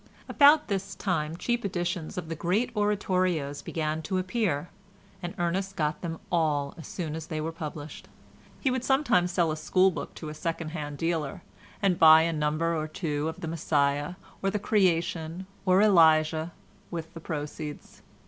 About this time cheap editions of the great oratorios began to appear, and Ernest got them all as soon as they were published; he would sometimes sell a school book to a second hand dealer, and buy a number or two of the "Messiah," or the "Creation," or "Elijah," with the proceeds.